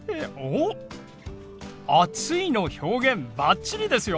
おっ「暑い」の表現バッチリですよ！